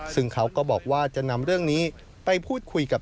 ซึ่งเขาก็บอกว่าจะนำเรื่องนี้ไปพูดคุยกับ